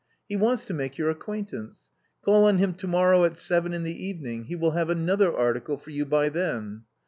He wants to make your acquaintance. Call on him to morrow at seven in the evening; he will have another article for you by then."